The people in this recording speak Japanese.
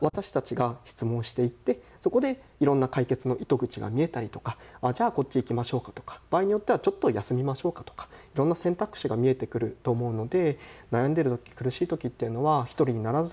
そこから私たちが質問していってそこでいろんな解決の糸口が見えたりとかじゃあこっち行きましょうかとか場合によってはちょっと休みましょうかとかいろんな選択肢が見えてくると思うので。